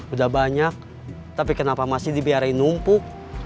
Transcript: udah banyak tapi kenapa masih dibiarin numpuk